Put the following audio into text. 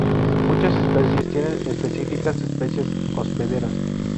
Muchas especies tienen específicas especies hospederas.